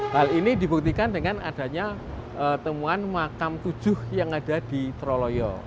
hal ini dibuktikan dengan adanya temuan makam tujuh yang ada di troloyo